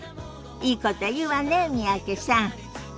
いいこと言うわね三宅さん。